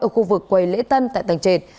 ở khu vực quầy lễ tân tại tành trệt